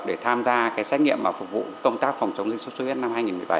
để tham gia cái sát nghiệm và phục vụ công tác phòng chống dịch số suyết năm hai nghìn một mươi bảy